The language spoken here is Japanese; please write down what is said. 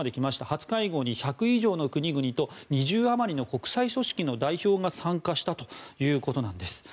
初会合の１００以上の国々と２０余りの国際組織の代表が参加したということです。